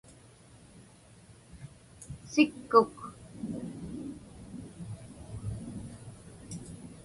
sikkuk